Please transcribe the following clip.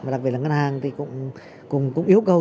đặc biệt là ngân hàng thì cũng yêu cầu